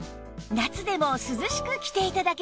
夏でも涼しく着て頂けます